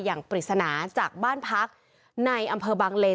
ปริศนาจากบ้านพักในอำเภอบางเล